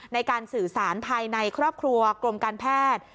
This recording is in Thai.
ในการสื่อสารภายในครอบครัวกรมการแพทย์